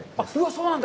そうなんだ。